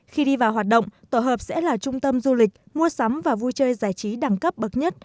khi đi vào hoạt động tổ hợp sẽ là trung tâm du lịch mua sắm và vui chơi giải trí đẳng cấp bậc nhất